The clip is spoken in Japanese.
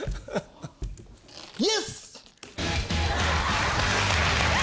イエス！